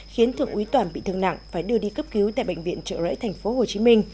khiến thượng úy toàn bị thương nặng phải đưa đi cấp cứu tại bệnh viện trợ rẫy tp hcm